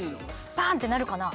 パーンってなるかな？